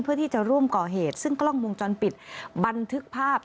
เพื่อที่จะร่วมก่อเหตุซึ่งกล้องวงจรปิดบันทึกภาพ